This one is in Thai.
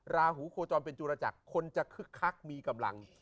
ราหูโคจรเป็นจุรจักรคนจะคึกคักมีกำลัง